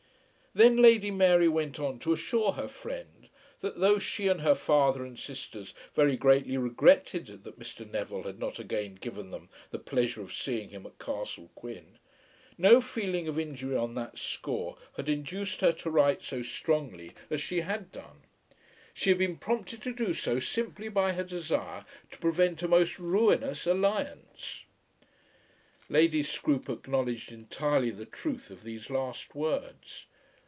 Then Lady Mary went on to assure her friend that though she and her father and sisters very greatly regretted that Mr. Neville had not again given them the pleasure of seeing him at Castle Quin, no feeling of injury on that score had induced her to write so strongly as she had done. She had been prompted to do so simply by her desire to prevent a most ruinous alliance. Lady Scroope acknowledged entirely the truth of these last words.